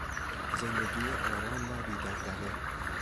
زندگی آرام و بی دغدغه